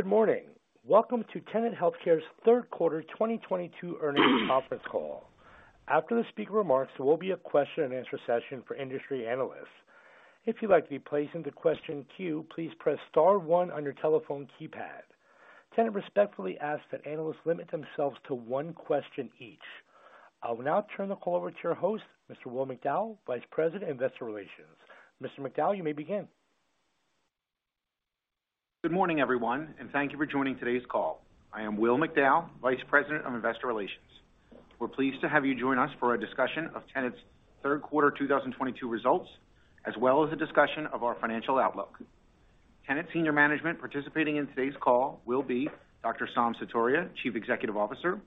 Good morning. Welcome to Tenet Healthcare's third quarter 2022 earnings conference call. After the speaker remarks, there will be a question-and-answer session for industry analysts. If you'd like to be placed into question queue, please press star one on your telephone keypad. Tenet respectfully asks that analysts limit themselves to one question each. I will now turn the call over to your host, Mr. Will McDowell, Vice President Investor Relations. Mr. McDowell, you may begin. Good morning, everyone, and thank you for joining today's call. I am Will McDowell, Vice President of Investor Relations. We're pleased to have you join us for a discussion of Tenet's third quarter 2022 results, as well as a discussion of our financial outlook. Tenet senior management participating in today's call will be Dr. Saum Sutaria, Chief Executive Officer,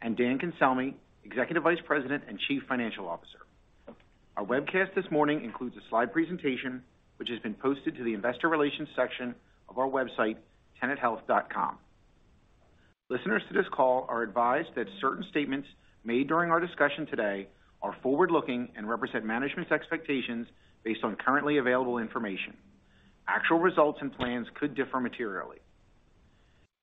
and Dan Cancelmi, Executive Vice President and Chief Financial Officer. Our webcast this morning includes a slide presentation which has been posted to the investor relations section of our website, tenethealth.com. Listeners to this call are advised that certain statements made during our discussion today are forward-looking and represent management's expectations based on currently available information. Actual results and plans could differ materially.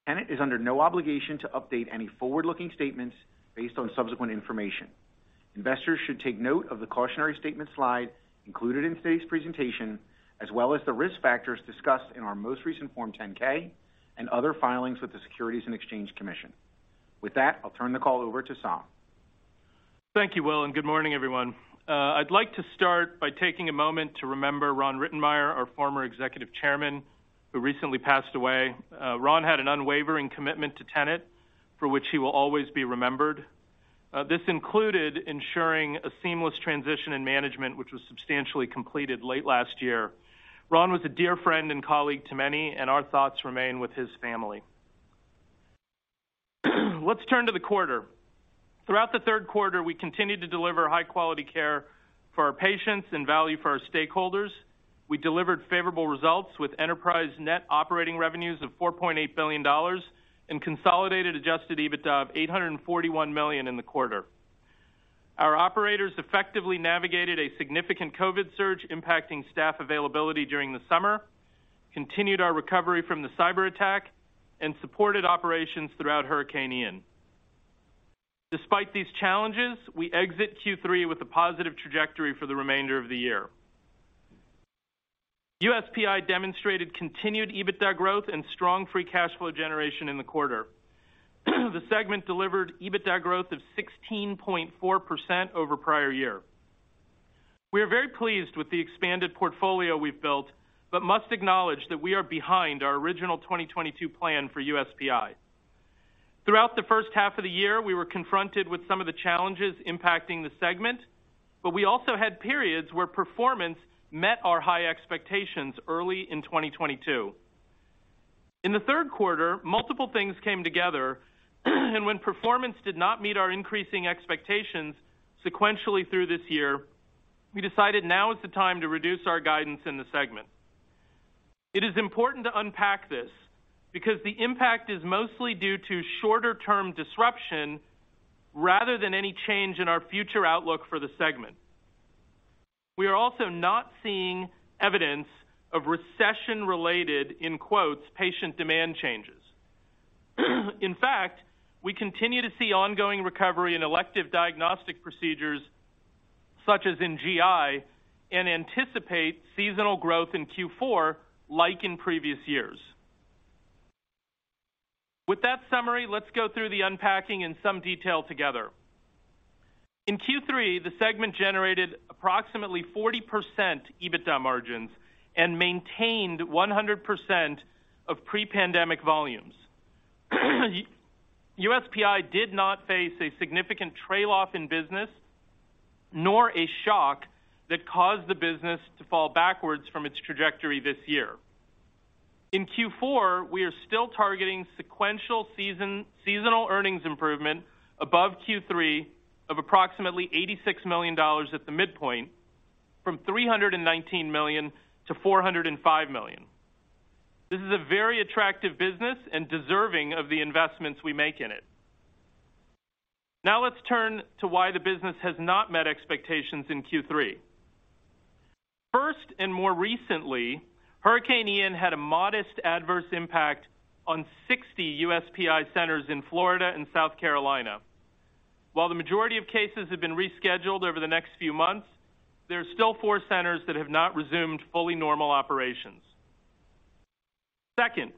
Tenet is under no obligation to update any forward-looking statements based on subsequent information. Investors should take note of the cautionary statement slide included in today's presentation, as well as the risk factors discussed in our most recent Form 10-K and other filings with the Securities and Exchange Commission. With that, I'll turn the call over to Saum. Thank you, Will, and good morning, everyone. I'd like to start by taking a moment to remember Ron Rittenmeyer, our former executive chairman, who recently passed away. Ron had an unwavering commitment to Tenet, for which he will always be remembered. This included ensuring a seamless transition in management, which was substantially completed late last year. Ron was a dear friend and colleague to many, and our thoughts remain with his family. Let's turn to the quarter. Throughout the third quarter, we continued to deliver high-quality care for our patients and value for our stakeholders. We delivered favorable results with enterprise net operating revenues of $4.8 billion and consolidated Adjusted EBITDA of $841 million in the quarter. Our operators effectively navigated a significant COVID surge impacting staff availability during the summer, continued our recovery from the cyberattack, and supported operations throughout Hurricane Ian. Despite these challenges, we exit Q3 with a positive trajectory for the remainder of the year. USPI demonstrated continued EBITDA growth and strong free cash flow generation in the quarter. The segment delivered EBITDA growth of 16.4% over prior year. We are very pleased with the expanded portfolio we've built, but must acknowledge that we are behind our original 2022 plan for USPI. Throughout the first half of the year, we were confronted with some of the challenges impacting the segment, but we also had periods where performance met our high expectations early in 2022. In the third quarter, multiple things came together, and when performance did not meet our increasing expectations sequentially through this year, we decided now is the time to reduce our guidance in the segment. It is important to unpack this because the impact is mostly due to shorter-term disruption rather than any change in our future outlook for the segment. We are also not seeing evidence of recession-related, in quotes, "patient demand changes." In fact, we continue to see ongoing recovery in elective diagnostic procedures such as in GI, and anticipate seasonal growth in Q4 like in previous years. With that summary, let's go through the unpacking in some detail together. In Q3, the segment generated approximately 40% EBITDA margins and maintained 100% of pre-pandemic volumes. USPI did not face a significant trail off in business, nor a shock that caused the business to fall backwards from its trajectory this year. In Q4, we are still targeting sequential seasonal earnings improvement above Q3 of approximately $86 million at the midpoint from $319 million-$405 million. This is a very attractive business and deserving of the investments we make in it. Now let's turn to why the business has not met expectations in Q3. First, and more recently, Hurricane Ian had a modest adverse impact on 60 USPI centers in Florida and South Carolina. While the majority of cases have been rescheduled over the next few months, there are still four centers that have not resumed fully normal operations. Second,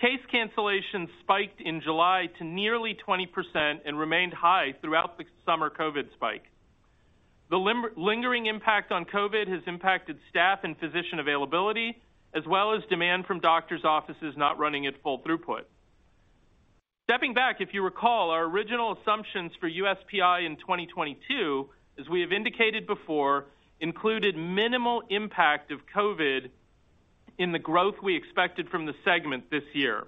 case cancellations spiked in July to nearly 20% and remained high throughout the summer COVID spike. The lingering impact of COVID has impacted staff and physician availability, as well as demand from doctor's offices not running at full throughput. Stepping back, if you recall, our original assumptions for USPI in 2022, as we have indicated before, included minimal impact of COVID in the growth we expected from the segment this year.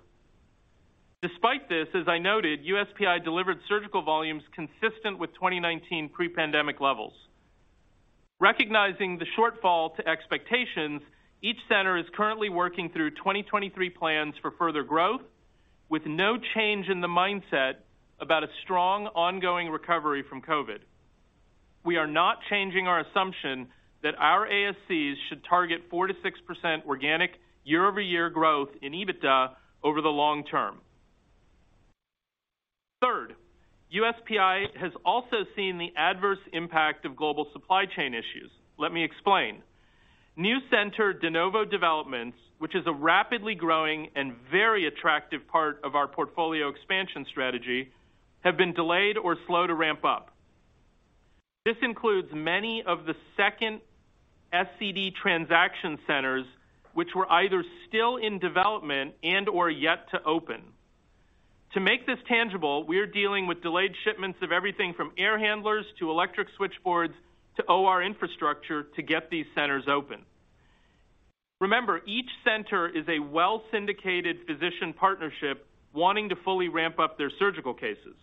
Despite this, as I noted, USPI delivered surgical volumes consistent with 2019 pre-pandemic levels. Recognizing the shortfall to expectations, each center is currently working through 2023 plans for further growth with no change in the mindset about a strong ongoing recovery from COVID. We are not changing our assumption that our ASCs should target 4%-6% organic year-over-year growth in EBITDA over the long term. Third, USPI has also seen the adverse impact of global supply chain issues. Let me explain. New center de novo developments, which is a rapidly growing and very attractive part of our portfolio expansion strategy, have been delayed or slow to ramp up. This includes many of the second SCD transaction centers, which were either still in development and/or yet to open. To make this tangible, we are dealing with delayed shipments of everything from air handlers to electric switchboards to OR infrastructure to get these centers open. Remember, each center is a well-syndicated physician partnership wanting to fully ramp up their surgical cases.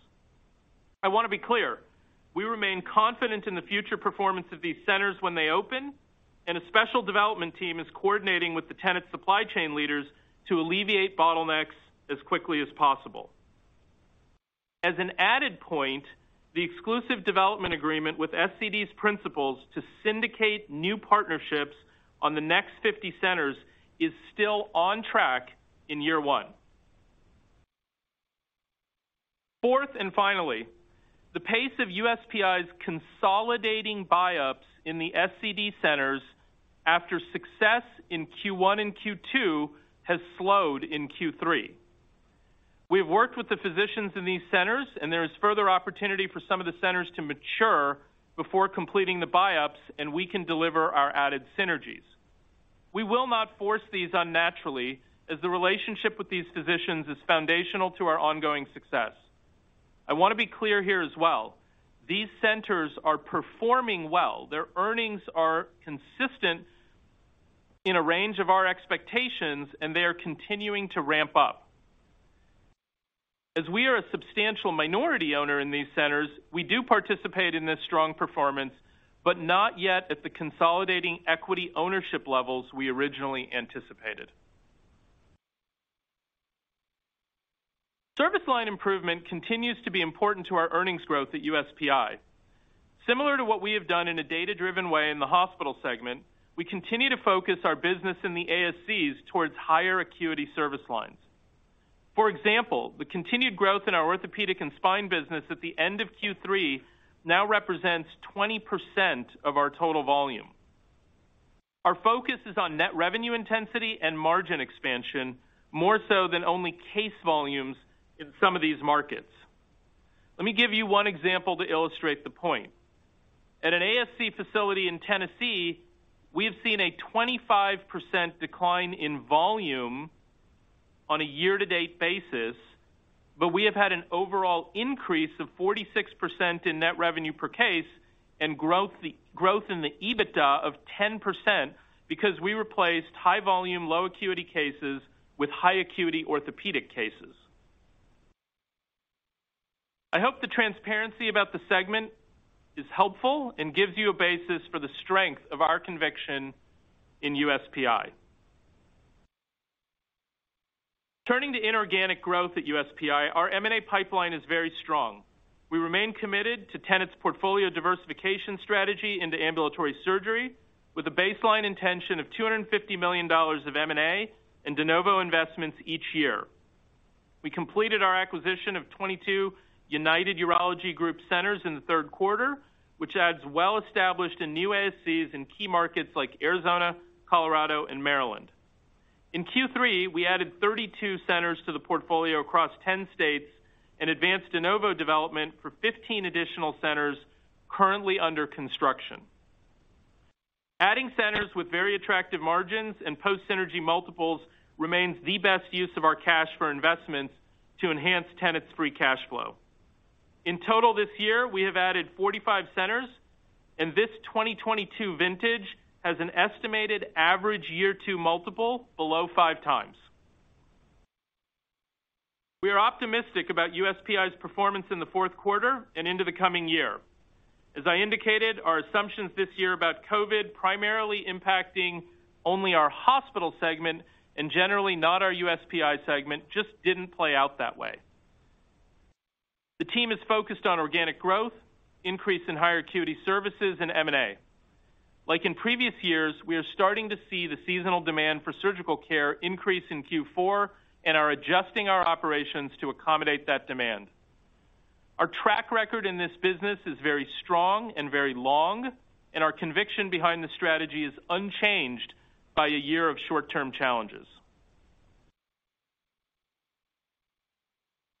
I want to be clear. We remain confident in the future performance of these centers when they open, and a special development team is coordinating with the Tenet supply chain leaders to alleviate bottlenecks as quickly as possible. As an added point, the exclusive development agreement with SCD's principals to syndicate new partnerships on the next 50 centers is still on track in year one. Fourth, and finally, the pace of USPI's consolidating buyouts in the SCD centers after success in Q1 and Q2 has slowed in Q3. We have worked with the physicians in these centers, and there is further opportunity for some of the centers to mature before completing the buyouts, and we can deliver our added synergies. We will not force these unnaturally as the relationship with these physicians is foundational to our ongoing success. I want to be clear here as well. These centers are performing well. Their earnings are consistent in a range of our expectations, and they are continuing to ramp up. As we are a substantial minority owner in these centers, we do participate in this strong performance, but not yet at the consolidating equity ownership levels we originally anticipated. Service line improvement continues to be important to our earnings growth at USPI. Similar to what we have done in a data-driven way in the hospital segment, we continue to focus our business in the ASCs towards higher acuity service lines. For example, the continued growth in our orthopedic and spine business at the end of Q3 now represents 20% of our total volume. Our focus is on net revenue intensity and margin expansion, more so than only case volumes in some of these markets. Let me give you one example to illustrate the point. At an ASC facility in Tennessee, we have seen a 25% decline in volume on a year-to-date basis, but we have had an overall increase of 46% in net revenue per case and growth in the EBITDA of 10% because we replaced high volume, low acuity cases with high acuity orthopedic cases. I hope the transparency about the segment is helpful and gives you a basis for the strength of our conviction in USPI. Turning to inorganic growth at USPI, our M&A pipeline is very strong. We remain committed to Tenet's portfolio diversification strategy into ambulatory surgery with a baseline intention of $250 million of M&A and de novo investments each year. We completed our acquisition of twenty-two United Urology Group centers in the third quarter, which adds well-established and new ASCs in key markets like Arizona, Colorado, and Maryland. In Q3, we added 32 centers to the portfolio across 10 states and advanced de novo development for 15 additional centers currently under construction. Adding centers with very attractive margins and post-synergy multiples remains the best use of our cash for investments to enhance Tenet's free cash flow. In total this year, we have added 45 centers, and this 2022 vintage has an estimated average year two multiple below 5x. We are optimistic about USPI's performance in the fourth quarter and into the coming year. As I indicated, our assumptions this year about COVID primarily impacting only our hospital segment and generally not our USPI segment just didn't play out that way. The team is focused on organic growth, increase in higher acuity services, and M&A. Like in previous years, we are starting to see the seasonal demand for surgical care increase in Q4 and are adjusting our operations to accommodate that demand. Our track record in this business is very strong and very long, and our conviction behind the strategy is unchanged by a year of short-term challenges.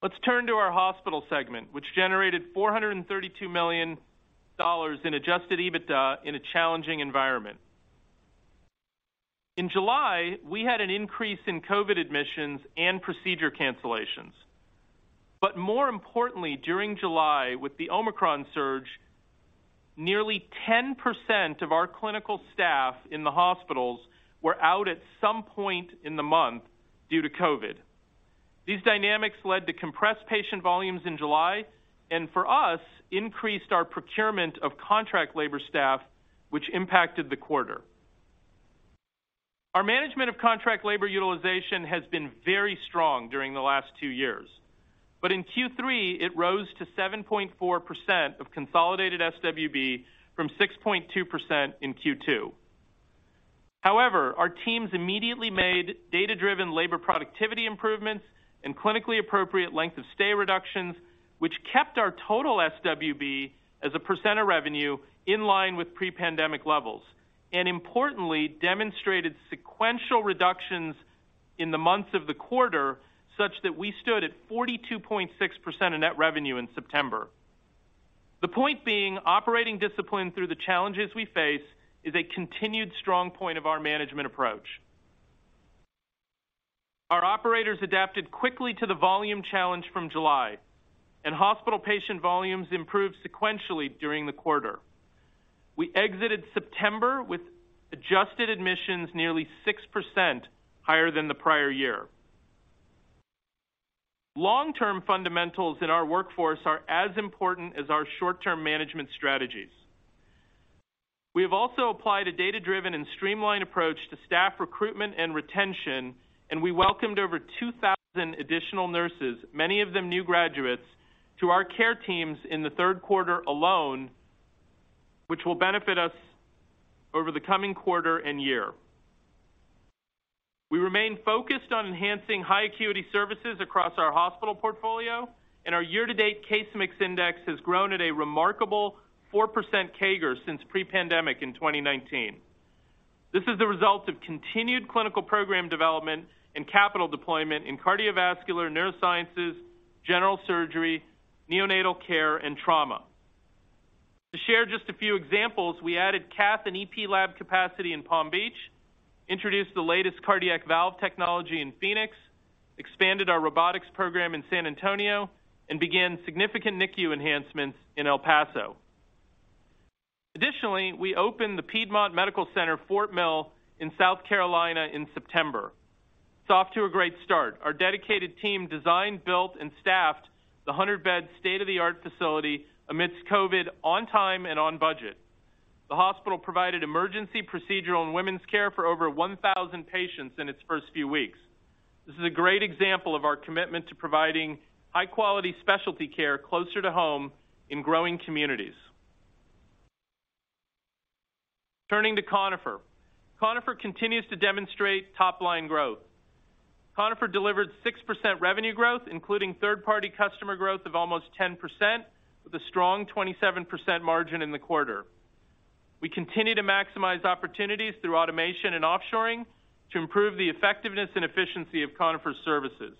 Let's turn to our hospital segment, which generated $432 million in Adjusted EBITDA in a challenging environment. In July, we had an increase in COVID admissions and procedure cancellations. More importantly, during July, with the Omicron surge, nearly 10% of our clinical staff in the hospitals were out at some point in the month due to COVID. These dynamics led to compressed patient volumes in July and for us, increased our procurement of contract labor staff, which impacted the quarter. Our management of contract labor utilization has been very strong during the last two years, but in Q3, it rose to 7.4% of consolidated SWB from 6.2% in Q2. However, our teams immediately made data-driven labor productivity improvements and clinically appropriate length of stay reductions, which kept our total SWB as a percent of revenue in line with pre-pandemic levels, and importantly, demonstrated sequential reductions in the months of the quarter, such that we stood at 42.6% of net revenue in September. The point being, operating discipline through the challenges we face is a continued strong point of our management approach. Our operators adapted quickly to the volume challenge from July, and hospital patient volumes improved sequentially during the quarter. We exited September with adjusted admissions nearly 6% higher than the prior year. Long-term fundamentals in our workforce are as important as our short-term management strategies. We have also applied a data-driven and streamlined approach to staff recruitment and retention, and we welcomed over 2,000 additional nurses, many of them new graduates to our care teams in the third quarter alone, which will benefit us over the coming quarter and year. We remain focused on enhancing high acuity services across our hospital portfolio and our year-to-date case mix index has grown at a remarkable 4% CAGR since pre-pandemic in 2019. This is the result of continued clinical program development and capital deployment in cardiovascular, neurosciences, general surgery, neonatal care and trauma. To share just a few examples, we added cath and EP lab capacity in Palm Beach, introduced the latest cardiac valve technology in Phoenix, expanded our robotics program in San Antonio and began significant NICU enhancements in El Paso. Additionally, we opened the Piedmont Medical Center-Fort Mill in South Carolina in September. It's off to a great start. Our dedicated team designed, built and staffed the 100-bed state-of-the-art facility amidst COVID on time and on budget. The hospital provided emergency, procedural and women's care for over 1,000 patients in its first few weeks. This is a great example of our commitment to providing high-quality specialty care closer to home in growing communities. Turning to Conifer. Conifer continues to demonstrate top-line growth. Conifer delivered 6% revenue growth, including third-party customer growth of almost 10% with a strong 27% margin in the quarter. We continue to maximize opportunities through automation and offshoring to improve the effectiveness and efficiency of Conifer's services.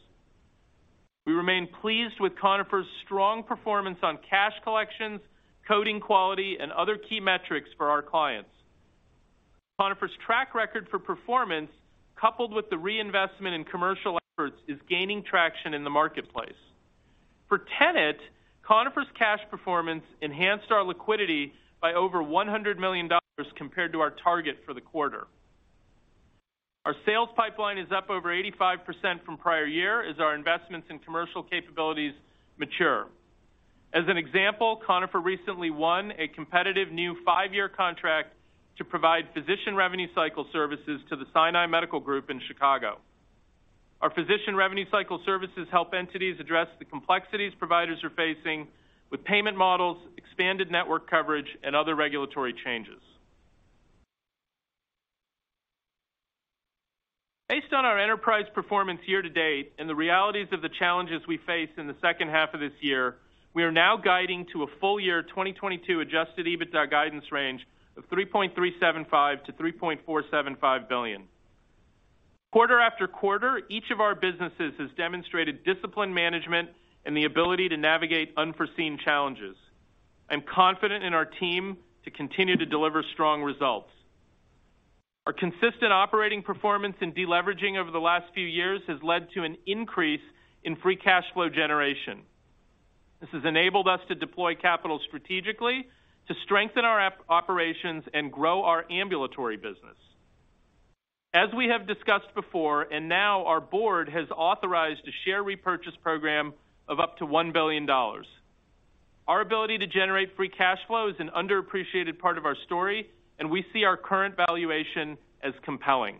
We remain pleased with Conifer's strong performance on cash collections, coding quality and other key metrics for our clients. Conifer's track record for performance, coupled with the reinvestment in commercial efforts, is gaining traction in the marketplace. For Tenet, Conifer's cash performance enhanced our liquidity by over $100 million compared to our target for the quarter. Our sales pipeline is up over 85% from prior year as our investments in commercial capabilities mature. As an example, Conifer recently won a competitive new five-year contract to provide physician revenue cycle services to the Sinai Medical Group in Chicago. Our physician revenue cycle services help entities address the complexities providers are facing with payment models, expanded network coverage and other regulatory changes. Based on our enterprise performance year-to-date and the realities of the challenges we face in the second half of this year, we are now guiding to a full-year 2022 Adjusted EBITDA guidance range of $3.375 billion-$3.475 billion. Quarter after quarter, each of our businesses has demonstrated disciplined management and the ability to navigate unforeseen challenges. I'm confident in our team to continue to deliver strong results. Our consistent operating performance and deleveraging over the last few years has led to an increase in free cash flow generation. This has enabled us to deploy capital strategically to strengthen our operations and grow our ambulatory business. As we have discussed before, and now our board has authorized a share repurchase program of up to $1 billion. Our ability to generate free cash flow is an underappreciated part of our story, and we see our current valuation as compelling.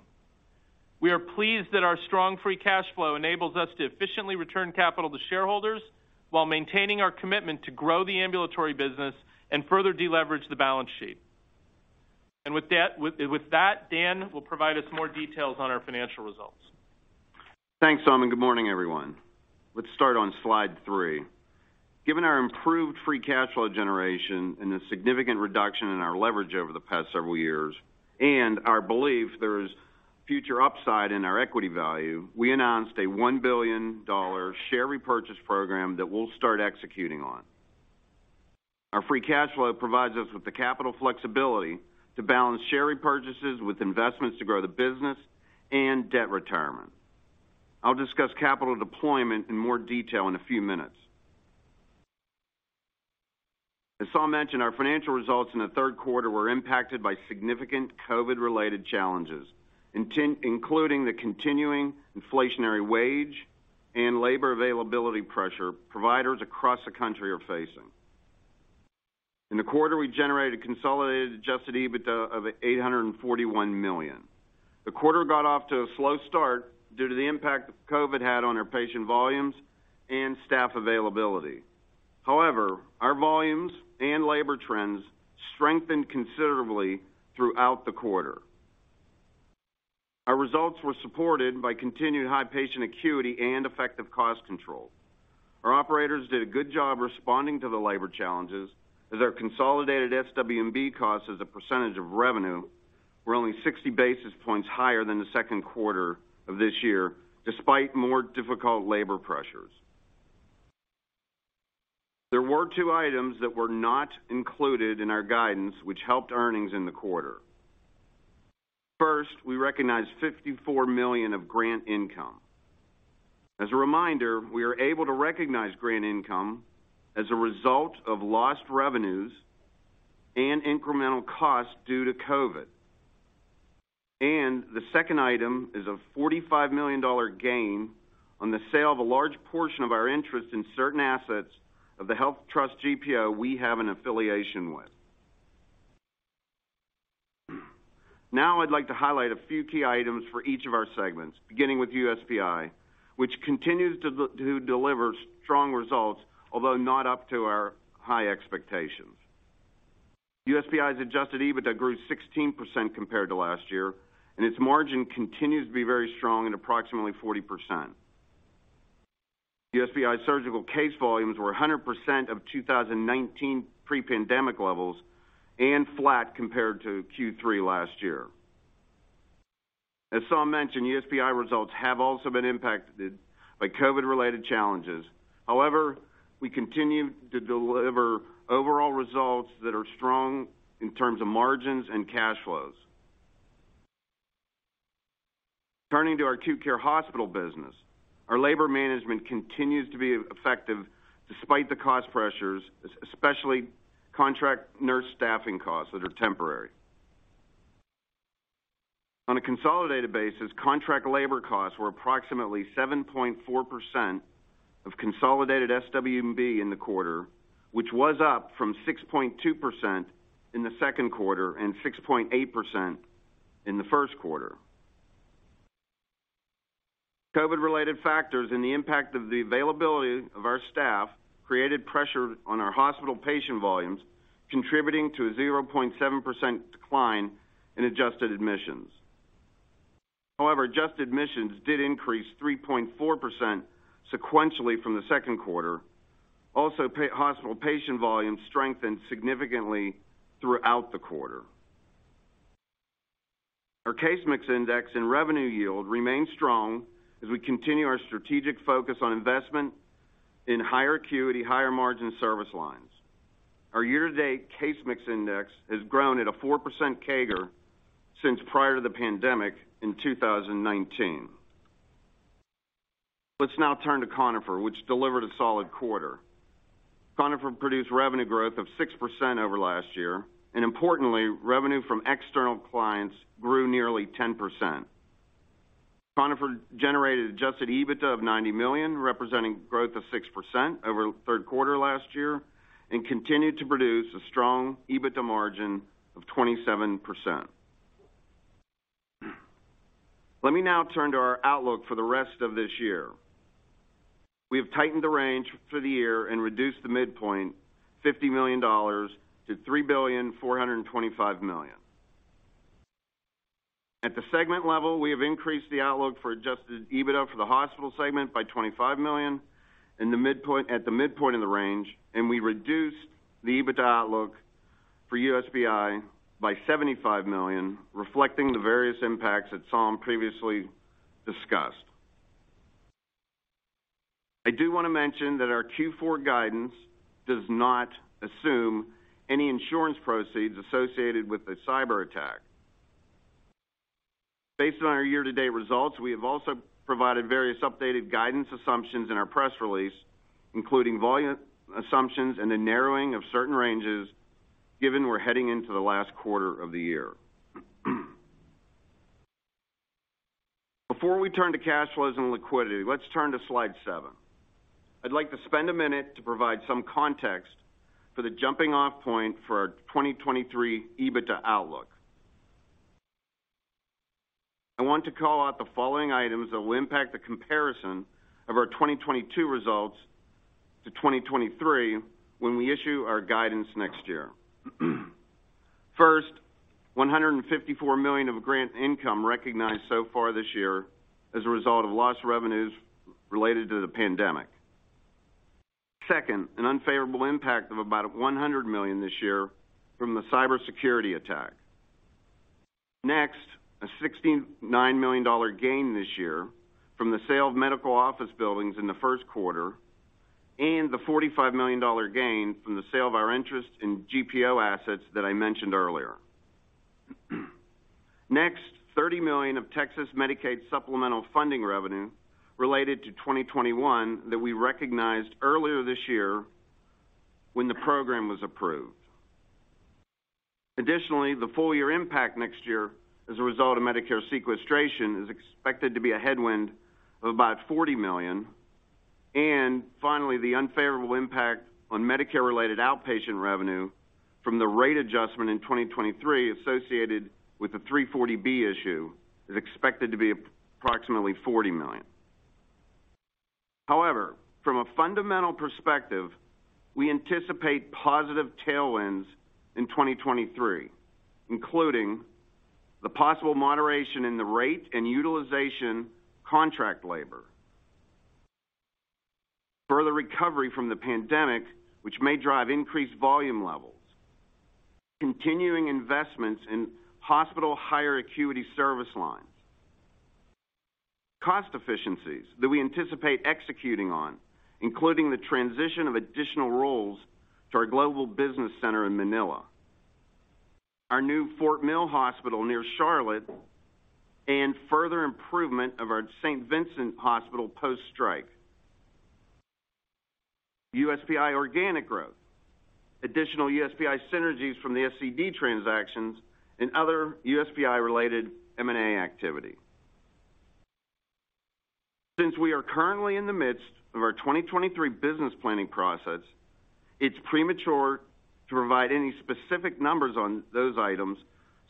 We are pleased that our strong free cash flow enables us to efficiently return capital to shareholders while maintaining our commitment to grow the ambulatory business and further deleverage the balance sheet. With that, Dan will provide us more details on our financial results. Thanks, Saum, and good morning, everyone. Let's start on slide 3. Given our improved free cash flow generation and a significant reduction in our leverage over the past several years, and our belief there is future upside in our equity value, we announced a $1 billion share repurchase program that we'll start executing on. Our free cash flow provides us with the capital flexibility to balance share repurchases with investments to grow the business and debt retirement. I'll discuss capital deployment in more detail in a few minutes. As Saum mentioned, our financial results in the third quarter were impacted by significant COVID-related challenges, including the continuing inflationary wage and labor availability pressure providers across the country are facing. In the quarter, we generated consolidated Adjusted EBITDA of $841 million. The quarter got off to a slow start due to the impact COVID had on our patient volumes and staff availability. However, our volumes and labor trends strengthened considerably throughout the quarter. Our results were supported by continued high patient acuity and effective cost control. Our operators did a good job responding to the labor challenges, as our consolidated SWB costs as a percentage of revenue were only 60 basis points higher than the second quarter of this year, despite more difficult labor pressures. There were two items that were not included in our guidance which helped earnings in the quarter. First, we recognized $54 million of grant income. As a reminder, we are able to recognize grant income as a result of lost revenues and incremental costs due to COVID. The second item is a $45 million gain on the sale of a large portion of our interest in certain assets of the HealthTrust GPO we have an affiliation with. Now, I'd like to highlight a few key items for each of our segments, beginning with USPI, which continues to deliver strong results, although not up to our high expectations. USPI's Adjusted EBITDA grew 16% compared to last year, and its margin continues to be very strong at approximately 40%. USPI's surgical case volumes were 100% of 2019 pre-pandemic levels and flat compared to Q3 last year. As Saum mentioned, USPI results have also been impacted by COVID-related challenges. However, we continue to deliver overall results that are strong in terms of margins and cash flows. Turning to our acute care hospital business. Our labor management continues to be effective despite the cost pressures, especially contract nurse staffing costs that are temporary. On a consolidated basis, contract labor costs were approximately 7.4% of consolidated SWB in the quarter, which was up from 6.2% in the second quarter and 6.8% in the first quarter. COVID-related factors and the impact of the availability of our staff created pressure on our hospital patient volumes, contributing to a 0.7% decline in adjusted admissions. However, adjusted admissions did increase 3.4% sequentially from the second quarter. Also, hospital patient volumes strengthened significantly throughout the quarter. Our case mix index and revenue yield remain strong as we continue our strategic focus on investment in higher acuity, higher margin service lines. Our year-to-date case mix index has grown at a 4% CAGR since prior to the pandemic in 2019. Let's now turn to Conifer, which delivered a solid quarter. Conifer produced revenue growth of 6% over last year, and importantly, revenue from external clients grew nearly 10%. Conifer generated Adjusted EBITDA of $90 million, representing growth of 6% over third quarter last year and continued to produce a strong EBITDA margin of 27%. Let me now turn to our outlook for the rest of this year. We have tightened the range for the year and reduced the midpoint $50 million to $3.425 billion. At the segment level, we have increased the outlook for Adjusted EBITDA for the hospital segment by $25 million at the midpoint of the range, and we reduced the EBITDA outlook for USPI by $75 million, reflecting the various impacts that Saum previously discussed. I do wanna mention that our Q4 guidance does not assume any insurance proceeds associated with the cyberattack. Based on our year-to-date results, we have also provided various updated guidance assumptions in our press release, including volume assumptions and a narrowing of certain ranges, given we're heading into the last quarter of the year. Before we turn to cash flows and liquidity, let's turn to slide 7. I'd like to spend a minute to provide some context for the jumping-off point for our 2023 EBITDA outlook. I want to call out the following items that will impact the comparison of our 2022 results to 2023 when we issue our guidance next year. First, $154 million of grant income recognized so far this year as a result of lost revenues related to the pandemic. Second, an unfavorable impact of about $100 million this year from the cybersecurity attack. Next, a $69 million gain this year from the sale of medical office buildings in the first quarter and the $45 million gain from the sale of our interest in GPO assets that I mentioned earlier. Next, $30 million of Texas Medicaid supplemental funding revenue related to 2021 that we recognized earlier this year when the program was approved. Additionally, the full year impact next year as a result of Medicare sequestration is expected to be a headwind of about $40 million. Finally, the unfavorable impact on Medicare-related outpatient revenue from the rate adjustment in 2023 associated with the 340B issue is expected to be approximately $40 million. However, from a fundamental perspective, we anticipate positive tailwinds in 2023, including the possible moderation in the rate and utilization contract labor. Further recovery from the pandemic, which may drive increased volume levels, continuing investments in hospital higher acuity service lines, cost efficiencies that we anticipate executing on, including the transition of additional roles to our global business center in Manila, our new Fort Mill hospital near Charlotte, and further improvement of our St. Vincent Hospital post-strike. USPI organic growth, additional USPI synergies from the SCD transactions and other USPI related M&A activity. Since we are currently in the midst of our 2023 business planning process, it's premature to provide any specific numbers on those items,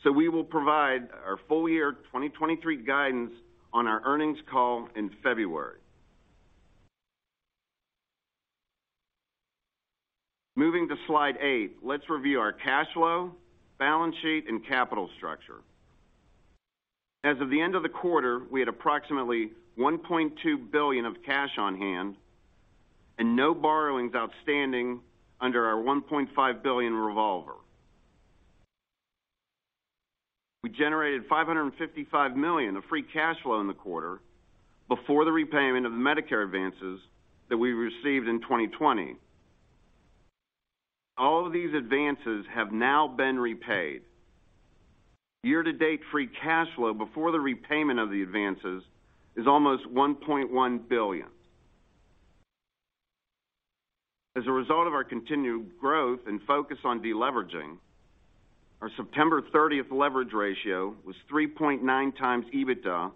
so we will provide our full year 2023 guidance on our earnings call in February. Moving to slide 8, let's review our cash flow, balance sheet, and capital structure. As of the end of the quarter, we had approximately $1.2 billion of cash on hand and no borrowings outstanding under our $1.5 billion revolver. We generated $555 million of free cash flow in the quarter before the repayment of the Medicare advances that we received in 2020. All of these advances have now been repaid. Year-to-date free cash flow before the repayment of the advances is almost $1.1 billion. As a result of our continued growth and focus on deleveraging, our September 30th leverage ratio was 3.9x EBITDA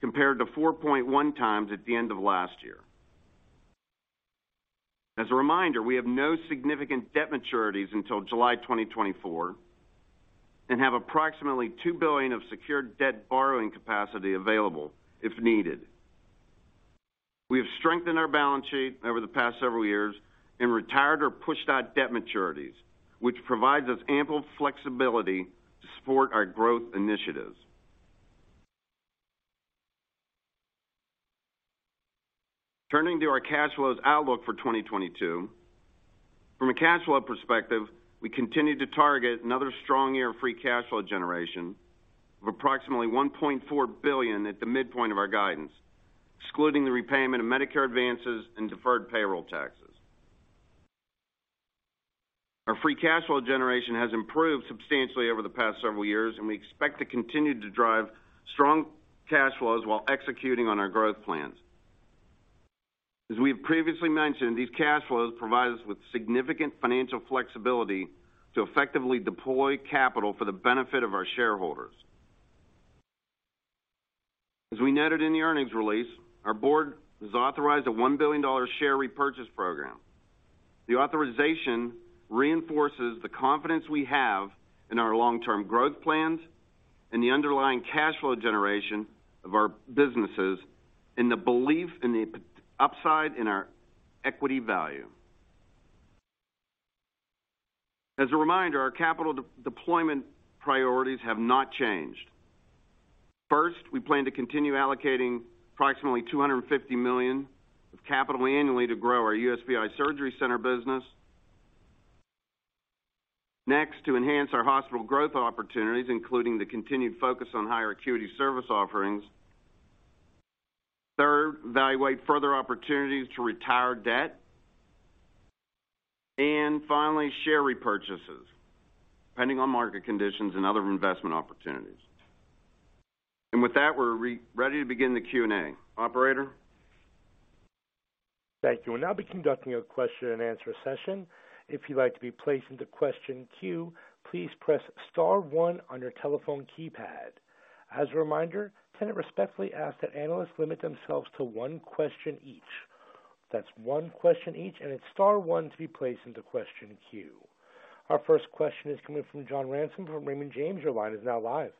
compared to 4.1x at the end of last year. As a reminder, we have no significant debt maturities until July 2024 and have approximately $2 billion of secured debt borrowing capacity available if needed. We have strengthened our balance sheet over the past several years and retired or pushed out debt maturities, which provides us ample flexibility to support our growth initiatives. Turning to our cash flows outlook for 2022. From a cash flow perspective, we continue to target another strong year of free cash flow generation of approximately $1.4 billion at the midpoint of our guidance, excluding the repayment of Medicare advances and deferred payroll taxes. Our free cash flow generation has improved substantially over the past several years, and we expect to continue to drive strong cash flows while executing on our growth plans. As we have previously mentioned, these cash flows provide us with significant financial flexibility to effectively deploy capital for the benefit of our shareholders. As we noted in the earnings release, our board has authorized a $1 billion share repurchase program. The authorization reinforces the confidence we have in our long-term growth plans and the underlying cash flow generation of our businesses, and the belief in the upside in our equity value. As a reminder, our capital deployment priorities have not changed. First, we plan to continue allocating approximately $250 million of capital annually to grow our USPI surgery center business. Next, to enhance our hospital growth opportunities, including the continued focus on higher acuity service offerings. Third, evaluate further opportunities to retire debt. Finally, share repurchases, depending on market conditions and other investment opportunities. With that, we're ready to begin the Q&A. Operator? Thank you. We'll now be conducting a question and answer session. If you'd like to be placed into question queue, please press star one on your telephone keypad. As a reminder, Tenet respectfully ask that analysts limit themselves to one question each. That's one question each, and it's star one to be placed into question queue. Our first question is coming from John Ransom from Raymond James. Your line is now live.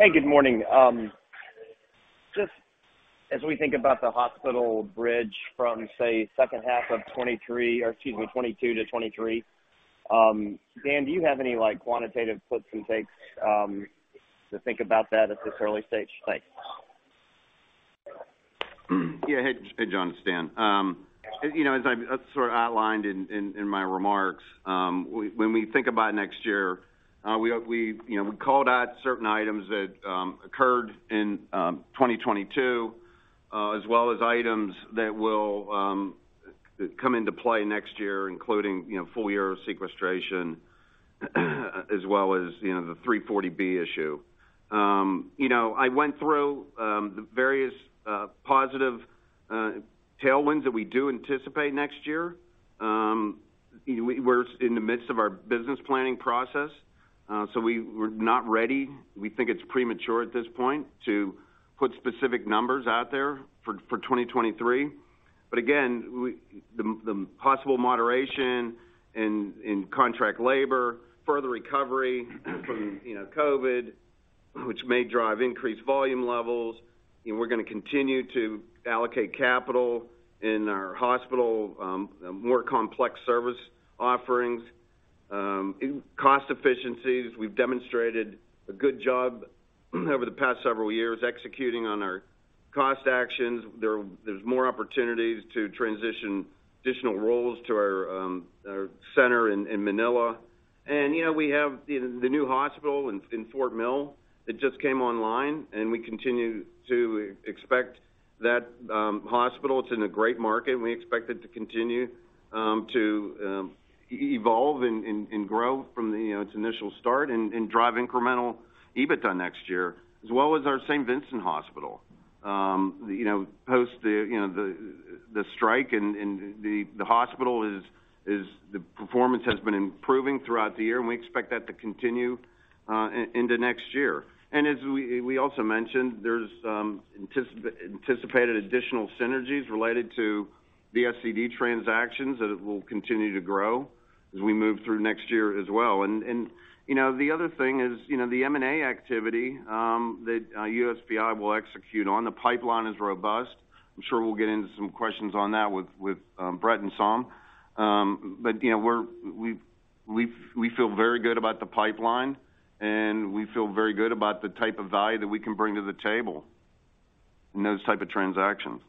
Hey, good morning. Just as we think about the hospital bridge from, say, second half of 2022 to 2023, Dan, do you have any like quantitative puts and takes to think about that at this early stage? Thanks. Yeah. Hey, John, it's Dan. You know, as sort of outlined in my remarks, when we think about next year, we called out certain items that occurred in 2022, as well as items that will come into play next year, including full year sequestration, as well as the 340B issue. You know, I went through the various positive tailwinds that we do anticipate next year. We're in the midst of our business planning process, so we're not ready. We think it's premature at this point to put specific numbers out there for 2023. But again, the possible moderation in contract labor, further recovery from COVID, which may drive increased volume levels. You know, we're gonna continue to allocate capital in our hospital, more complex service offerings, in cost efficiencies. We've demonstrated a good job over the past several years, executing on our cost actions. There's more opportunities to transition additional roles to our center in Manila. We have the new hospital in Fort Mill that just came online, and we continue to expect that hospital. It's in a great market, and we expect it to continue to evolve and grow from its initial start and drive incremental EBITDA next year, as well as our St. Vincent Hospital. Post the strike in the hospital, the performance has been improving throughout the year, and we expect that to continue into next year. As we also mentioned, there's anticipated additional synergies related to the SCD transactions that it will continue to grow as we move through next year as well. You know, the other thing is, you know, the M&A activity that USPI will execute on. The pipeline is robust. I'm sure we'll get into some questions on that with Brett and Saum. You know, we feel very good about the pipeline, and we feel very good about the type of value that we can bring to the table in those type of transactions.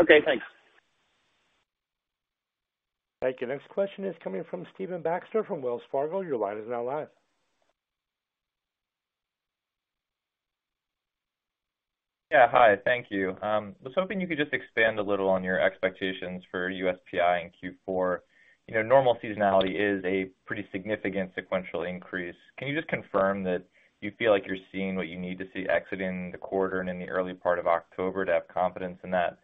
Okay, thanks. Thank you. Next question is coming from Stephen Baxter from Wells Fargo. Your line is now live. Yeah, hi. Thank you. I was hoping you could just expand a little on your expectations for USPI in Q4. You know, normal seasonality is a pretty significant sequential increase. Can you just confirm that you feel like you're seeing what you need to see exiting the quarter and in the early part of October to have confidence in that?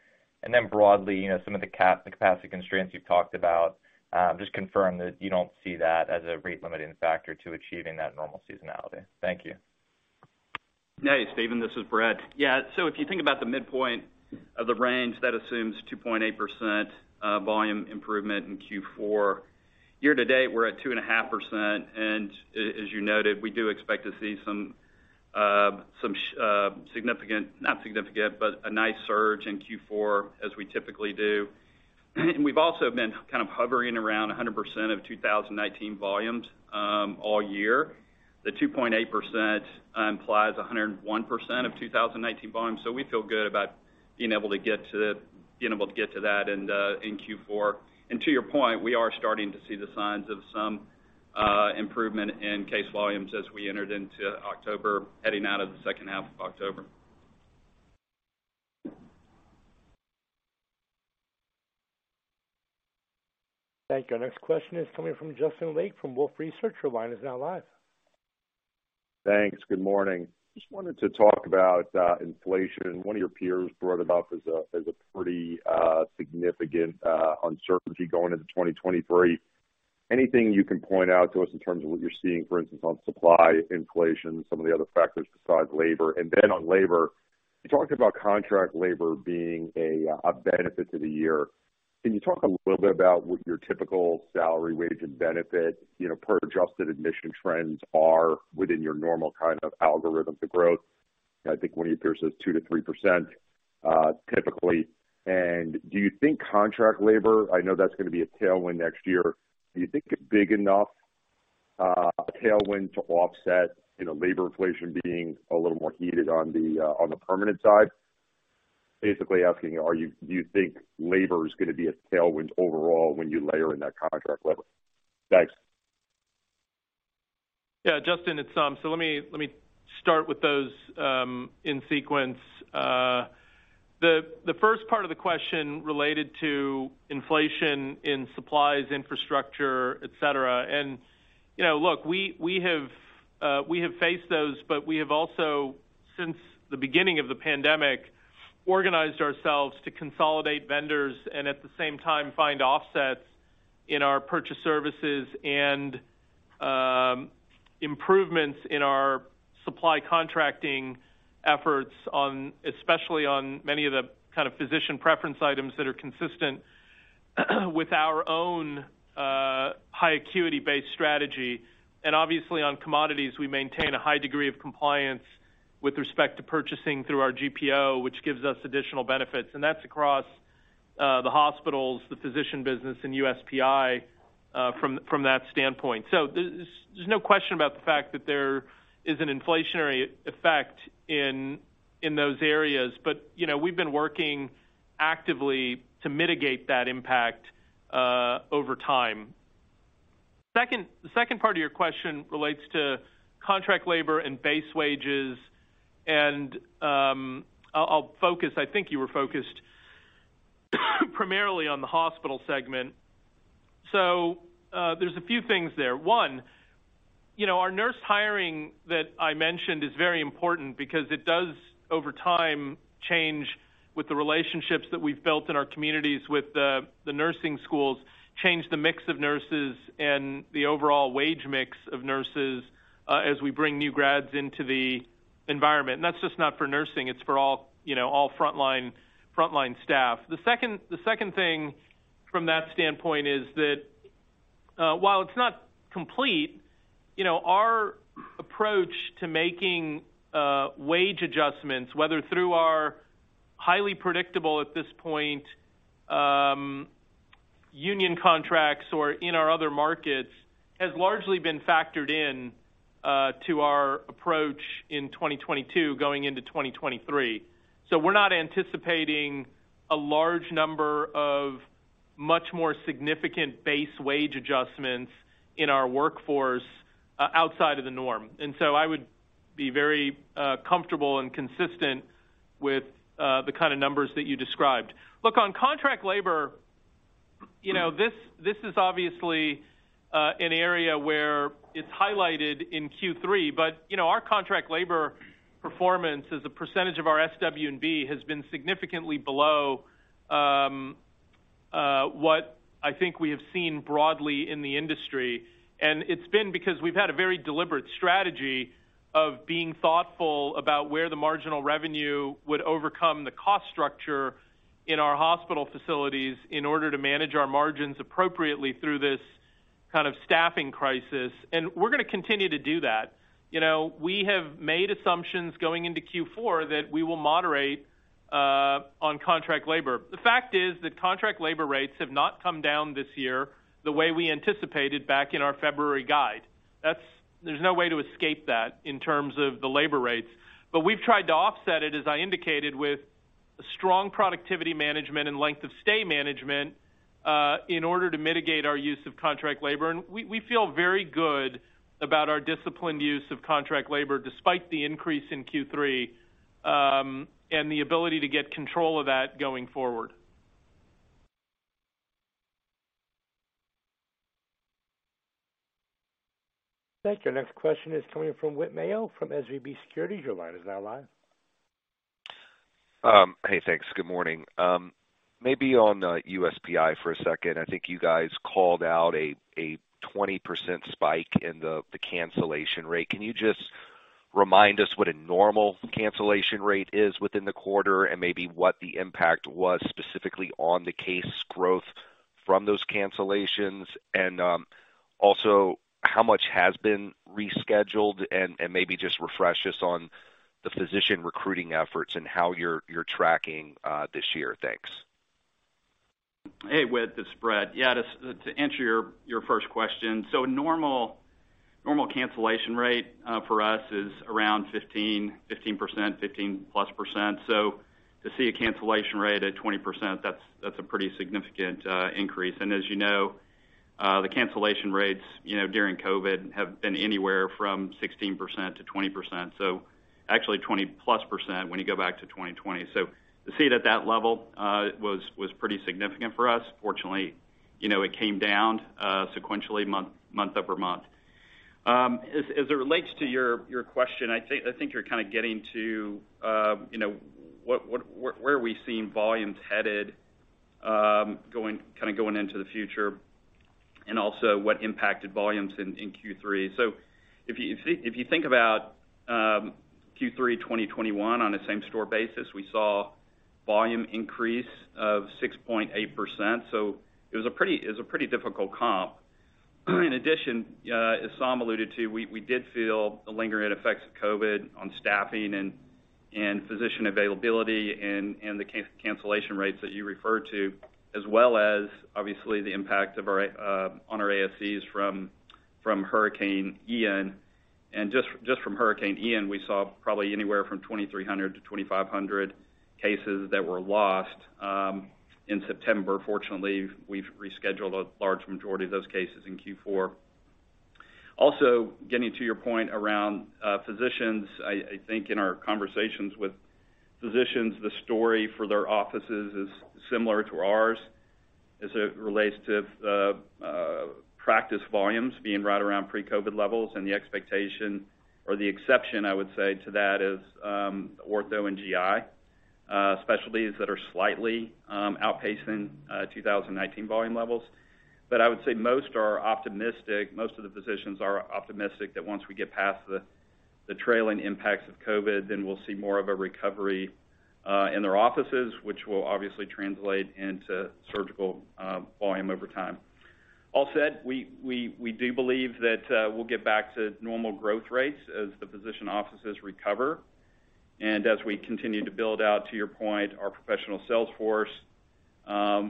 Broadly, you know, some of the capacity constraints you've talked about, just confirm that you don't see that as a rate-limiting factor to achieving that normal seasonality. Thank you. Hey, Stephen, this is Brett. Yeah. If you think about the midpoint of the range, that assumes 2.8% volume improvement in Q4. Year to date, we're at 2.5%, and as you noted, we do expect to see some significant—not significant, but a nice surge in Q4 as we typically do. We've also been kind of hovering around 100% of 2019 volumes all year. The 2.8% implies 101% of 2019 volumes. We feel good about being able to get to that in Q4. To your point, we are starting to see the signs of some improvement in case volumes as we entered into October, heading out of the second half of October. Thank you. Our next question is coming from Justin Lake from Wolfe Research. Your line is now live. Thanks. Good morning. Just wanted to talk about inflation. One of your peers brought it up as a pretty significant uncertainty going into 2023. Anything you can point out to us in terms of what you're seeing, for instance, on supply inflation, some of the other factors besides labor? Then on labor, you talked about contract labor being a benefit to the year. Can you talk a little bit about what your typical salary wage and benefit, you know, per adjusted admission trends are within your normal kind of algorithm for growth? I think one of your peers says 2%-3%, typically. Do you think contract labor, I know that's gonna be a tailwind next year? Do you think it's big enough, a tailwind to offset, you know, labor inflation being a little more heated on the, on the permanent side? Basically asking, do you think labor is gonna be a tailwind overall when you layer in that contract labor? Thanks. Yeah, Justin Lake, it's Saum. Let me start with those in sequence. The first part of the question related to inflation in supplies, infrastructure, et cetera. You know, look, we have faced those, but we have also, since the beginning of the pandemic, organized ourselves to consolidate vendors and at the same time find offsets in our purchase services and improvements in our supply contracting efforts, especially on many of the kind of physician preference items that are consistent with our own high acuity-based strategy. Obviously, on commodities, we maintain a high degree of compliance with respect to purchasing through our GPO, which gives us additional benefits. That's across the hospitals, the physician business, and USPI, from that standpoint. There's no question about the fact that there is an inflationary effect in those areas. You know, we've been working actively to mitigate that impact over time. Second, the second part of your question relates to contract labor and base wages. I'll focus, I think you were focused. Primarily on the hospital segment. There's a few things there. One, our nurse hiring that I mentioned is very important because it does, over time, change with the relationships that we've built in our communities with the nursing schools, change the mix of nurses and the overall wage mix of nurses, as we bring new grads into the environment. That's just not for nursing, it's for all, you know, all frontline staff. The second thing from that standpoint is that, while it's not complete, you know, our approach to making wage adjustments, whether through our highly predictable at this point union contracts or in our other markets, has largely been factored in to our approach in 2022 going into 2023. We're not anticipating a large number of much more significant base wage adjustments in our workforce outside of the norm. I would be very comfortable and consistent with the kind of numbers that you described. Look, on contract labor, you know, this is obviously an area where it's highlighted in Q3, but, you know, our contract labor performance as a percentage of our SW&B has been significantly below what I think we have seen broadly in the industry. It's been because we've had a very deliberate strategy of being thoughtful about where the marginal revenue would overcome the cost structure in our hospital facilities in order to manage our margins appropriately through this kind of staffing crisis. We're gonna continue to do that. You know, we have made assumptions going into Q4 that we will moderate on contract labor. The fact is that contract labor rates have not come down this year the way we anticipated back in our February guide. That's. There's no way to escape that in terms of the labor rates. We've tried to offset it, as I indicated, with strong productivity management and length of stay management in order to mitigate our use of contract labor. We feel very good about our disciplined use of contract labor despite the increase in Q3 and the ability to get control of that going forward. Thank you. Next question is coming from Whit Mayo from SVB Securities. Your line is now live. Hey, thanks. Good morning. Maybe on USPI for a second. I think you guys called out a 20% spike in the cancellation rate. Can you just remind us what a normal cancellation rate is within the quarter and maybe what the impact was specifically on the case growth from those cancellations? Also how much has been rescheduled? And maybe just refresh us on the physician recruiting efforts and how you're tracking this year. Thanks. Hey, Whit. This is Brett. To answer your first question. Normal cancellation rate for us is around 15%. To see a cancellation rate at 20%, that's a pretty significant increase. As you know, the cancellation rates, you know, during COVID have been anywhere from 16%-20%. Actually 20+% when you go back to 2020. To see it at that level was pretty significant for us. Fortunately, you know, it came down sequentially month-over-month. As it relates to your question, I think you're kinda getting to where we are seeing volumes headed going kinda into the future, and also what impacted volumes in Q3. If you think about Q3 2021 on a same-store basis, we saw volume increase of 6.8%. It was a pretty difficult comp. In addition, as Saum alluded to, we did feel the lingering effects of COVID on staffing and physician availability and the cancellation rates that you referred to, as well as obviously the impact of our on our ASCs from Hurricane Ian. Just from Hurricane Ian, we saw probably anywhere from 2,300-2,500 cases that were lost in September. Fortunately, we've rescheduled a large majority of those cases in Q4. Also, getting to your point around physicians. I think in our conversations with physicians, the story for their offices is similar to ours as it relates to practice volumes being right around pre-COVID levels. The expectation or the exception, I would say, to that is ortho and GI specialties that are slightly outpacing 2019 volume levels. I would say most are optimistic. Most of the physicians are optimistic that once we get past the trailing impacts of COVID, then we'll see more of a recovery in their offices, which will obviously translate into surgical volume over time. All said, we do believe that we'll get back to normal growth rates as the physician offices recover and as we continue to build out, to your point, our professional sales force,